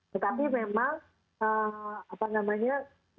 tetapi memang apa namanya